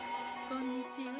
こんにちは。